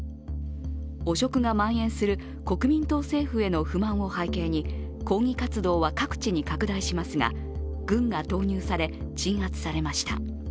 汚職がまん延する国民党政府への不満を背景に抗議活動は各地に拡大しますが、軍が投入され、鎮圧されました。